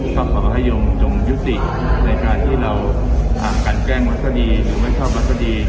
ก็ขอให้ยงจงยุติในการที่เราอ่ากันแกล้งวัสธิหรือไม่ชอบวัสธิ